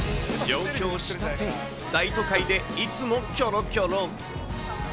上京したて、大都会でいつもキョロキョロ。